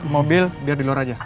mobil biar di luar aja